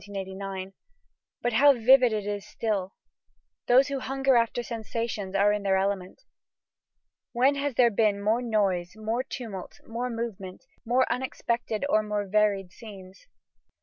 But how vivid it is still! Those who hunger after sensations are in their element. When has there been more noise, more tumult, more movement, more unexpected or more varied scenes?